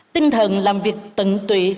tinh thần làm việc tận tùy